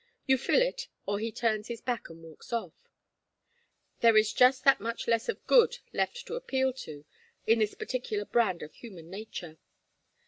You fill it or he turns his back and walks off. There is just that much less of good left to appeal to in this particular brand of human nature.